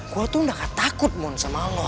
gua tuh nggak akan takut mon sama lo